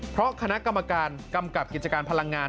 เพราะคณะกรรมการกำกับกิจการพลังงาน